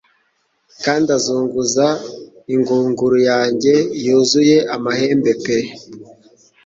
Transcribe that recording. Kandi azunguza ingunguru yanjye yuzuye amahembe pe